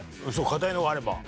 堅いのがあれば。